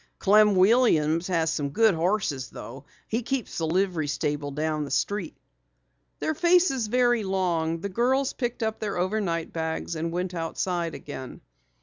Clem Williams has some good horses though. He keeps the livery stable down the street." Their faces very long, the girls picked up their overnight bags and went outside again.